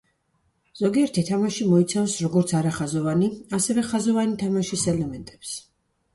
ზოგიერთი თამაში მოიცავს როგორც არახაზოვანი, ასევე ხაზოვანი თამაშის ელემენტებს.